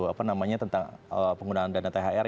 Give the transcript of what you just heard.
apa namanya tentang penggunaan dana thr